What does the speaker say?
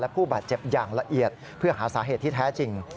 ผู้บาดเจ็บอย่างละเอียดเพื่อหาสาเหตุที่แท้จริง